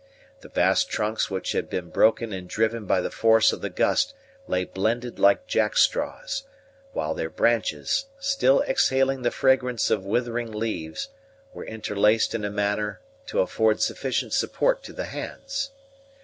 The vast trunks which had been broken and driven by the force of the gust lay blended like jack straws; while their branches, still exhaling the fragrance of withering leaves, were interlaced in a manner to afford sufficient support to the hands.